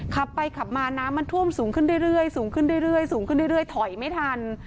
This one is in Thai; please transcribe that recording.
ขับไปขับมาน้ำมันท่วมสูงขึ้นเรื่อยสูงขึ้นเรื่อยสูงขึ้นเรื่อยถอยไม่ทัน